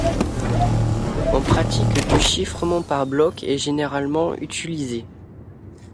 En pratique du chiffrement par bloc est généralement utilisé.